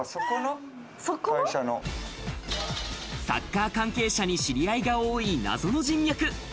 サッカー関係者に知り合いが多い謎の人脈。